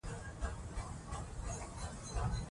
موږ باید د دې لورینې مننه وکړو.